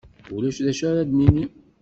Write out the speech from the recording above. Ulac d acu ara d-nini.